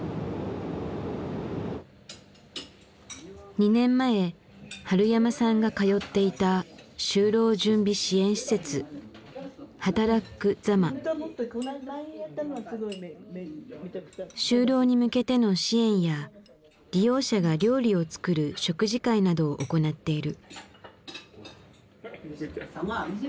２年前春山さんが通っていた就労に向けての支援や利用者が料理を作る食事会などを行っている。